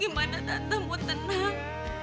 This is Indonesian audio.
gimana tante mau tenang